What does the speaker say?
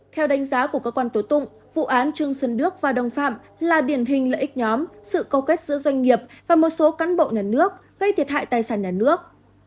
theo đánh giá của cơ quan tổ tụng vụ án trương xuân đức và đồng phạm là điển hình lợi ích nhóm sự câu kết giữa doanh nghiệp và một số cán bộ nhà nước gây thiệt hại tài sản nhà nước